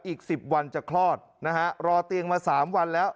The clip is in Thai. อีก๑๐วันจะคลอดนะฮะรอเตียงมา๓วันแล้ว